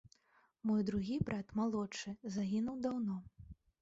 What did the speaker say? Мой другі брат, малодшы, загінуў даўно.